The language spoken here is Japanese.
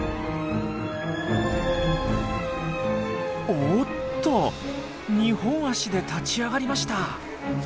おっと２本足で立ち上がりました！